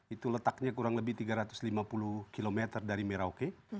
itu letaknya kurang lebih tiga ratus lima puluh km dari merauke